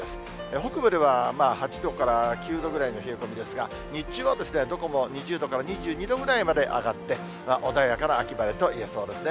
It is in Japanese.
北部では８度から９度ぐらいの冷え込みですが、日中はですね、どこも２０度から２２度ぐらいまで上がって、穏やかな秋晴れといえそうですね。